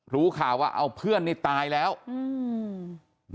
รู้ข่าวว่าเอาเพื่อนนี่ตายแล้วอืม